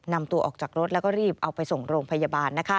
นำตัวออกจากรถแล้วก็รีบเอาไปส่งโรงพยาบาล